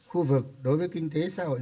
khu vực đối với kinh tế xã hội